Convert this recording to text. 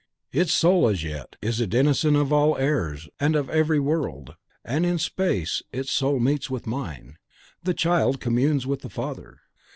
Its soul as yet is the denizen of all airs and of every world; and in space its soul meets with mine, the child communes with the father!